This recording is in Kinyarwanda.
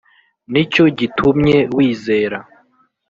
ni cyo gitumye wizera